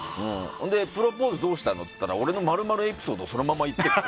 プロポーズどうしたの？って言ったら俺のエピソードまるまるそのまま言ってて。